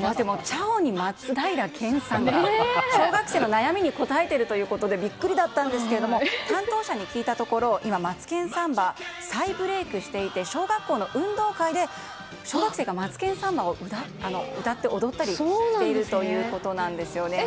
「ちゃお」で松平健さんが小学生の悩みに答えているということでビックリだったんですが担当者に聞いたところ今、「マツケンサンバ」再ブレークしていて小学校の運動会で小学生が「マツケンサンバ」を歌って踊ったりしているということなんですよね。